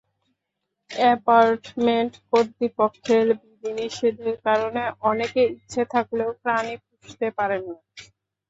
Apartment কর্তৃপক্ষের বিধিনিষেধের কারণে অনেকে ইচ্ছে থাকলেও প্রাণী পুষতে পারেন না।